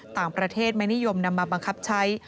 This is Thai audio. ต่างประเทศไม่นิยมนำมาบังคับใช้